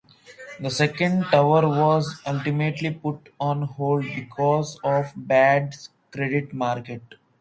The second tower was ultimately put on hold because of bad credit markets.